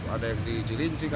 ada yang di jilincing